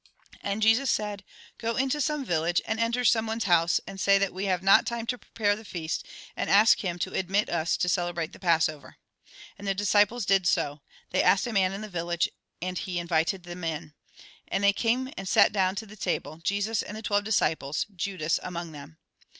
" And Jesus said :" Go into some village, and enter someone's house, and say that we have not time to prepare the feast, and ask him to admit us to celebrate the Passover." And the disciples did so ; they asked a man in the village, and he 132 THE GOSPEL TN BRIEF And they came and sat down to and the twelve disciples, Judas invited them in. the table, Jesus among them.